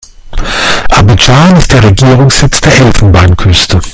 Abidjan ist der Regierungssitz der Elfenbeinküste.